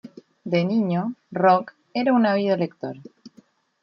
De niño, Rock era un ávido lector.